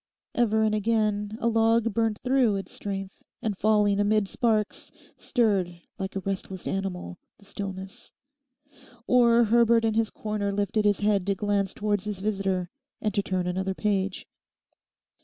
Ever and again a log burnt through its strength, and falling amid sparks, stirred, like a restless animal, the stillness; or Herbert in his corner lifted his head to glance towards his visitor, and to turn another page.